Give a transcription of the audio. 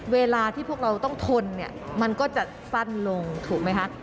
เวลาที่พวกเราต้องทนเนี่ยมันก็จะสั้นลงถูกไหมคะ